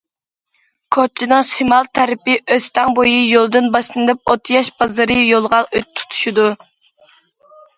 كوچىنىڭ شىمال تەرىپى ئۆستەڭ بويى يولىدىن باشلىنىپ ئوتياش بازىرى يولىغا تۇتىشىدۇ.